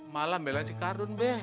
malah bela si kardun